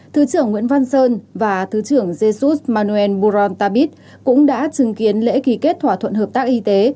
thứ trưởng nguyễn văn sơn và thứ trưởng jesus manuel morón tabit cũng đã chứng kiến lễ kỳ kết thỏa thuận hợp tác y tế